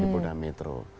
di pudah metro